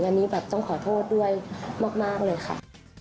อันนี้แบบต้องขอโทษด้วยมากเลยค่ะ